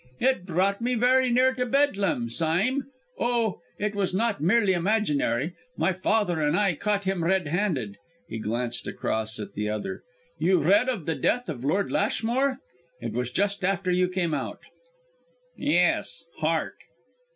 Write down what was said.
It brought me very near to Bedlam, Sime. Oh! it was not merely imaginary. My father and I caught him red handed." He glanced across at the other. "You read of the death of Lord Lashmore? It was just after you came out." "Yes heart."